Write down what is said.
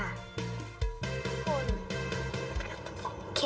ทุกคน